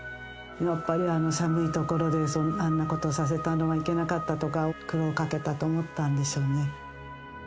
やっぱりあの寒い所であんなことをさせたのがいけなかったとか、苦労かけたと思ったんでしょうね。